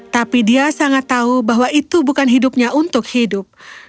tapi dia sangat tahu bahwa itu bukan hidupnya untuk hidup